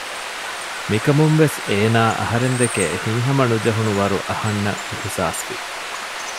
މިކަމުން ވެސް އޭނާ އަހަރެން ދެކެ ހިތްހަމަނުޖެހުނު ވަރު އަހަންނަށް އިހުސާސްވި